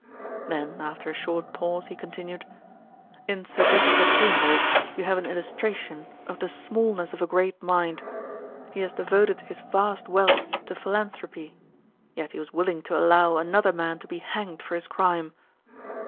Then after a short pause he continued: "In Sir Jasper Chambers you have an illustration of the smallness of a great mind. He has devoted his vast wealth to philanthropy; yet he was willing to allow another man to be hanged for his crime."